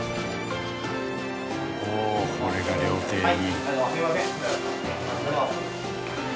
おおーっこれが料亭に。